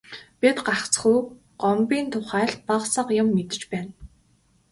Бид гагцхүү Гомбын тухай л бага сага юм мэдэж байна.